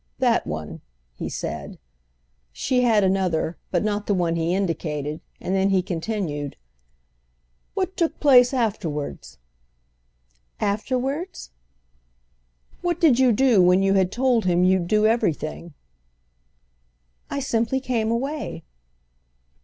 —that one," he said. She had another, but not the one he indicated, and then he continued: "What took place afterwards?" "Afterwards?" "What did you do when you had told him you'd do everything?" "I simply came away."